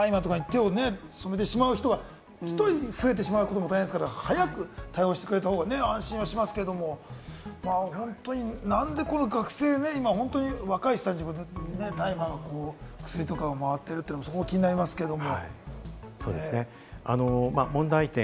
何日間で大麻とかを染めてしまう人が１人増えてしまうことも大変ですから、早く対応してくれた方が安心はしますけれども、なんで学生、若い人たちが大麻や薬とか回っているのが気になりますけれども。